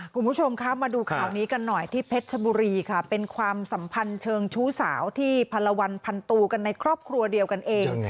คุณผู้ชมคะมาดูข่าวนี้กันหน่อยที่เพชรชบุรีค่ะเป็นความสัมพันธ์เชิงชู้สาวที่พันละวันพันตูกันในครอบครัวเดียวกันเอง